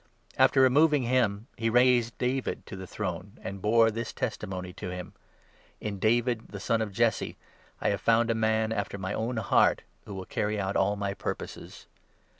After removing him, he raised David to the throne, 22 and bore this testimony to him—' In David, the son of Jesse, I have found a man after my own heart, who will carry out all my purposes.'